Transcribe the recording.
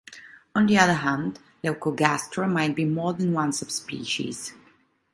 On the other hand, "leucogastra" might be more than one subspecies.